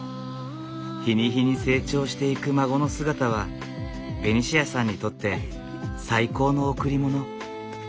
日に日に成長していく孫の姿はベニシアさんにとって最高の贈り物。